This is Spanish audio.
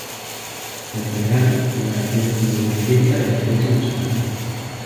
En general, la canción recibió buena crítica de la prensa musical.